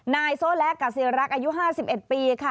นายโซเล็กกัสเซียลรักอายุ๕๑ปีค่ะ